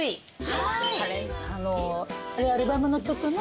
あれアルバムの曲の。